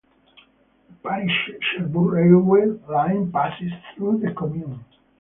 The Paris-Cherbourg railway line passes through the commune.